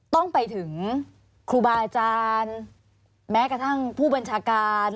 ต้องไปถึงครูบาอาจารย์แม้กระทั่งผู้บัญชาการ